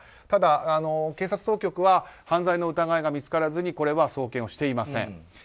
ただ、警察当局は犯罪の疑いが見つからずこれは送検をしていません。